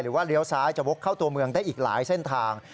เลี้ยวซ้ายจะวกเข้าตัวเมืองได้อีกหลายเส้นทาง